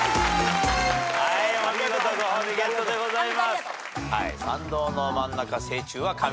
お見事ご褒美ゲットでございます。